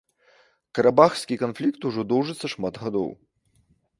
Карабахскі канфлікт ужо доўжыцца шмат гадоў.